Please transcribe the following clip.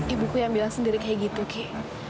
ibuku yang bilang sendiri kayak gitu kik